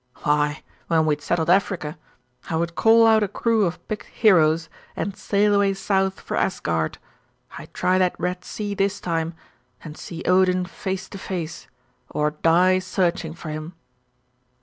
'Why, when we had settled Africa, I would call out a crew of picked heroes, and sail away south for Asgard I'd try that Red Sea this time and see Odin face to face, or die searching for him.